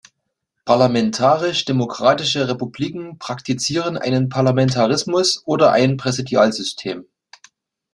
Parlamentarisch-demokratische Republiken praktizieren einen Parlamentarismus oder ein Präsidialsystem.